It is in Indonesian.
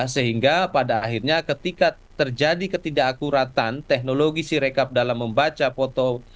sehingga pada akhirnya ketika terjadi ketidakakuratan teknologi sirekap dalam membaca foto